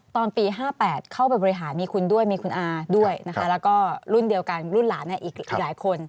ตอนปี๕๘เข้าไปบริหารมีคุณด้วยมีคุณอาด้วยนะคะแล้วก็รุ่นเดียวกันรุ่นหลานอีกหลายคน